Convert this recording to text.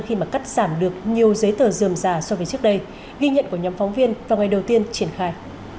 khi mà cắt giảm được nhiều giấy tờ dườm già so với trước đây ghi nhận của nhóm phóng viên vào ngày đầu tiên triển khai